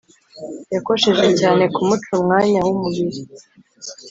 Yakosheje cyane kumuca umwanya w’umubiri